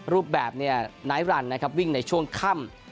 รูปแบบเนี่ยไนท์รันนะครับวิ่งในช่วงค่ำ